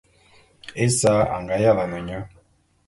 Esa a nga yalane nye.